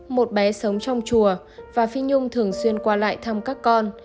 một bé sống trong chùa và phi nhung thường xuyên qua lại thăm các con